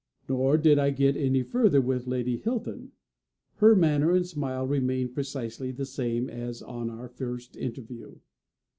Nor did I get any further with Lady Hilton. Her manner and smile remained precisely the same as on our first interview.